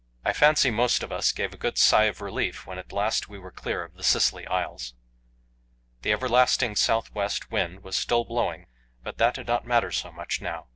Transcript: I fancy most of us gave a good sigh of relief when at last we were clear of the Scilly Isles. The everlasting south west wind was still blowing, but that did not matter so much now.